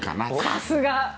さすが！